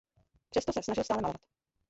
Přesto se snažil stále malovat.